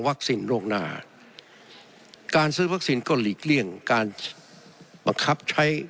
ล่วงหน้าการซื้อวัคซีนก็หลีกเลี่ยงการบังคับใช้